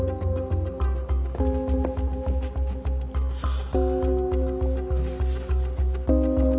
ああ！